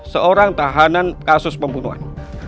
seorang tahanan kasus pembunuhan